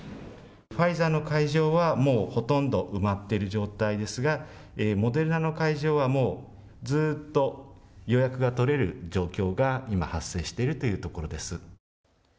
ファイザーの会場はもうほとんど埋まっている状態ですがモデルナの会場はずっと予約が取れる状況が発生しているというところです。